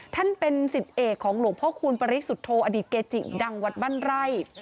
ท่านเป็นสิทธิเอกของหลวงพ่อคูณปริสุทธโธอดีตเกจิดังวัดบ้านไร่